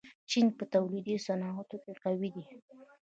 چین په تولیدي صنعتونو کې قوي دی.